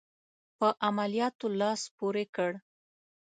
په عملیاتو لاس پوري کړ.